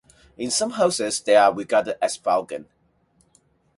In some houses they are regarded as vulgar.